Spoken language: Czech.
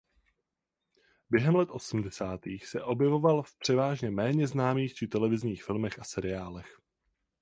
Během let osmdesátých se objevoval v převážně méně známých či televizních filmech a seriálech.